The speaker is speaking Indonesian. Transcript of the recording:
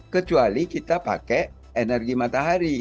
kecuali kita pakai energi matahari